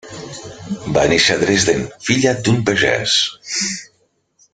Va néixer a Dresden, filla d'un pagès.